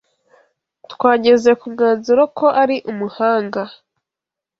Twageze ku mwanzuro ko ari umuhanga.